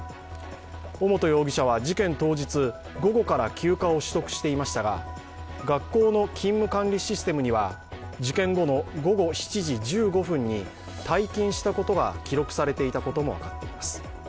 尾本容疑者は事件当日、午後から休暇を取得していましたが、学校の勤務管理システムには事件後の午後７時１５分に退勤したことが記録されていたことも分かっています。